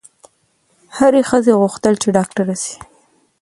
هري ښځي غوښتل چي ډاکټره سي